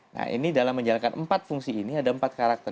nah ini dalam menjalankan empat fungsi ini ada empat karakter